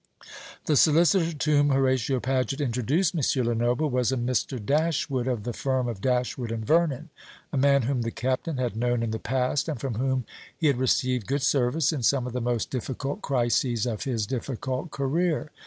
The solicitor to whom Horatio Paget introduced M. Lenoble was a Mr. Dashwood, of the firm of Dashwood and Vernon; a man whom the Captain had known in the past, and from whom he had received good service in some of the most difficult crises of his difficult career.